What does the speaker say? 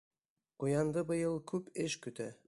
Ҡуянды быйыл күп эш көтә.